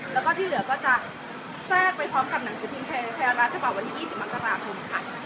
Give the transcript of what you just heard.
แล้วก็ที่เหลือก็จะแทรกไปพร้อมกับหนังจิติมไทยราชบับวันนี้๒๐มันตราภูมิค่ะ